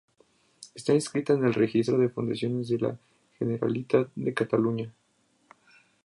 Está inscrita en el registro de fundaciones de la Generalitat de Cataluña.